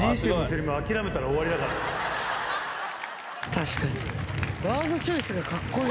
確かに。